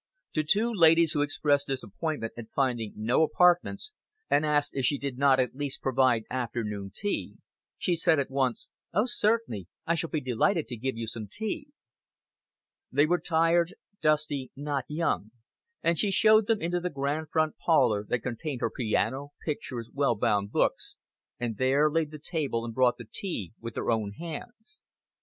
To two ladies who expressed disappointment at finding no apartments and asked if she did not at least provide afternoon tea, she said at once, "Oh, certainly, I shall be delighted to give you some tea." They were tired, dusty, not young; and she showed them into the grand front parlor that contained her piano, pictures, well bound books, and there laid the table and brought the tea with her own hands.